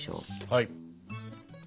はい。